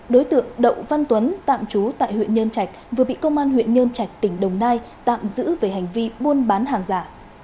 đối tượng đậu văn tuấn tạm trú tại huyện nhân trạch vừa bị công an huyện nhân trạch tỉnh đồng nai tạm giữ về hành vi buôn bán hàng giả